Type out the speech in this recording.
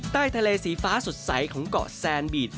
ใต้ทะเลสีฟ้าสดใสของเกาะแซนบีด